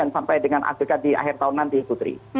sampai dengan akhir akhir tahun nanti putri